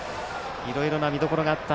いろいろな見どころがあった